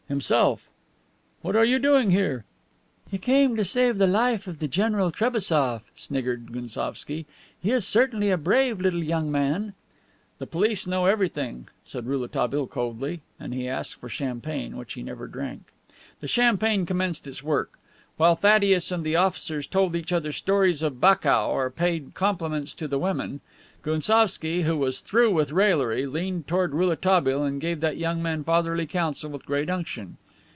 "Himself." "What are you doing here?" "He came to save the life of General Trebassof," sniggered Gounsovski. "He is certainly a brave little young man." "The police know everything," said Rouletabille coldly. And he asked for champagne, which he never drank. The champagne commenced its work. While Thaddeus and the officers told each other stories of Bakou or paid compliments to the women, Gounsovski, who was through with raillery, leaned toward Rouletabille and gave that young man fatherly counsel with great unction.